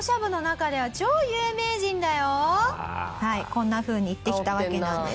こんなふうに言ってきたわけなんです。